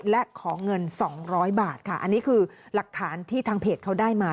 และขอเงิน๒๐๐บาทค่ะอันนี้คือหลักฐานที่ทางเพจเขาได้มา